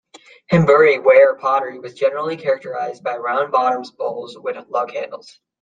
Hembury ware pottery was generally characterised by round bottomed bowls with lug handles.